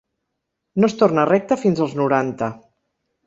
No es torna recte fins als noranta.